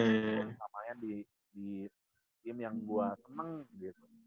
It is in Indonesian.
gak ngemain di di tim yang gua seneng gitu